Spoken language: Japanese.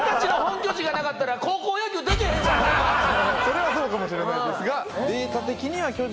それはそうかもしれないですが。